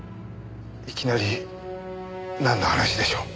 いきなりなんの話でしょう。